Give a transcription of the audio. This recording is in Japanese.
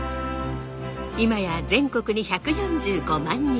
今や全国に１４５万人。